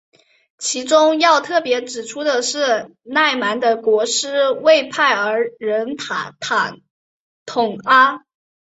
其中要特别指出的是乃蛮的国师畏兀儿人塔塔统阿。